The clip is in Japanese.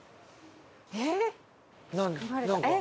えっ？